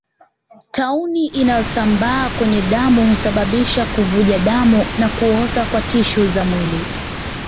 Tauni inayosambaa kwenye damu husababisha kuvuja damu na kuoza kwa tishu za mwili